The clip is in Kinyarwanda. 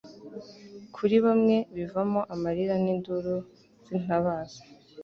kuri bamwe bivamo amarira n'induru z'intabaza